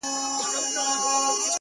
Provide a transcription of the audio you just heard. • په سلګیو سو په ساندو واویلا سو,